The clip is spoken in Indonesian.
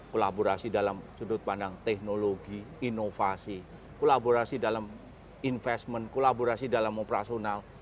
kolaborasi dalam sudut pandang teknologi inovasi kolaborasi dalam investment kolaborasi dalam operasional